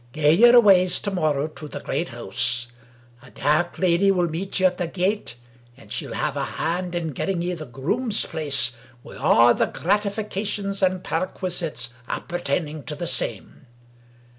Gae yer ways to morrow to the great hoose. A dairk woman will meet ye at the gate; and she'll have a hand in getting ye the groom's place, wi' a' the gratifications and pairquisites appertaining to the same.